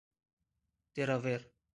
دراور